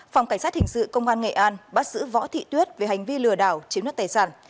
phòng cảnh sát hình sự công an nghệ an bắt giữ võ thị tuyết về hành vi lừa đảo chiếm đoạt tài sản